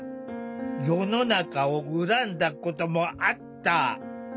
世の中のを恨んだこともあった。